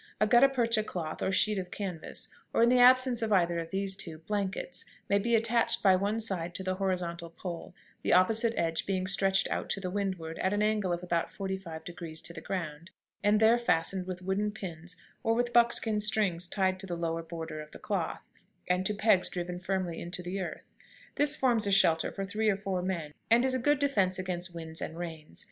A gutta percha cloth, or sheet of canvas, or, in the absence of either of these two, blankets, may be attached by one side to the horizontal pole, the opposite edge being stretched out to the windward at an angle of about forty five degrees to the ground, and there fastened with wooden pins, or with buckskin strings tied to the lower border of the cloth and to pegs driven firmly into the earth. This forms a shelter for three or four men, and is a good defense against winds and rains.